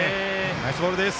ナイスボールです。